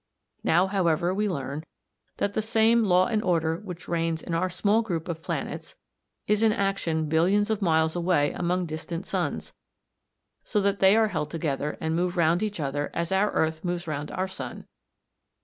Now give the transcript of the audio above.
Now, however, we learn that the same law and order which reigns in our small group of planets is in action billions of miles away among distant suns, so that they are held together and move round each other as our earth moves round our sun.